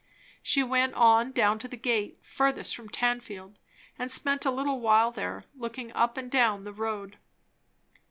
She went on, down to the gate furthest from Tanfield, and spent a little while there, looking up and down the road.